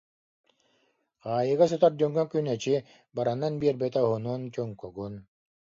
Хаайыыга сытар дьоҥҥо күн, эчи, баранан биэрбэтэ уһунун, чуҥкугун